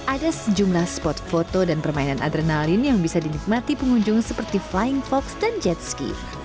ada sejumlah spot foto dan permainan adrenalin yang bisa dinikmati pengunjung seperti flying fox dan jet ski